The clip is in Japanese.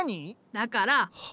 だから！